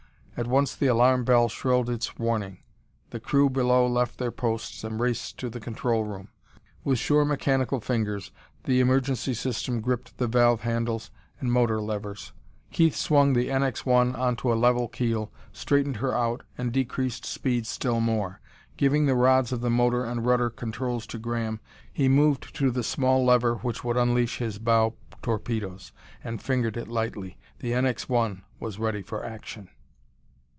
At once the alarm bell shrilled its warning; the crew below left their posts and raced to the control room. With sure mechanical fingers the emergency system gripped the valve handles and motor levers; Keith swung the NX 1 onto a level keel, straightened her out, and decreased speed still more. Giving the rods of the motor and rudder controls to Graham, he moved to the small lever which would unleash his bow torpedoes, and fingered it lightly. The NX 1 was ready for action.